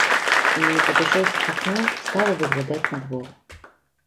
І, падышоўшы к акну, стала выглядаць на двор.